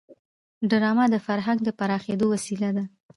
ډرامه د فرهنګ د پراخېدو وسیله ده